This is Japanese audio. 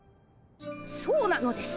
そうなのです。